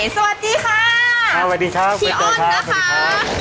สวัสดีค่ะพี่อ้อนนะคะ